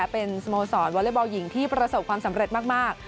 เป็นสโมสรวอเล็กบอลหญิงที่ประสบความสำเร็จมาก